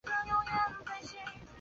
她感到全身无力